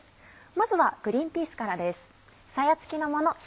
まずはグリンピースからです。